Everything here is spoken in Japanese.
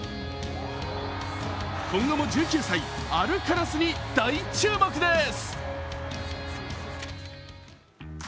今後も１９歳・アルカラスに大注目です。